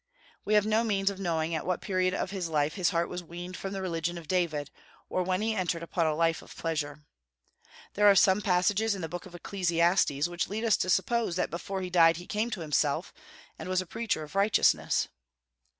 We have no means of knowing at what period of his life his heart was weaned from the religion of David, or when he entered upon a life of pleasure. There are some passages in the Book of Ecclesiastes which lead us to suppose that before he died he came to himself, and was a preacher of righteousness.